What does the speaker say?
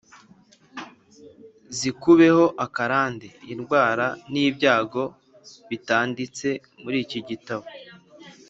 zikubeho akarande. Indwara n’ibyago bitanditse muri iki gitabo